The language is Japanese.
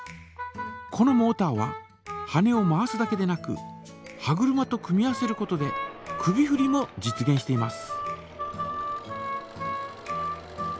このモータは羽根を回すだけでなく歯車と組み合わせることで首ふりも実げんしています。